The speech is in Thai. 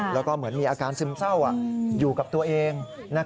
แล้วก็เหมือนมีอาการซึมเศร้าอยู่กับตัวเอง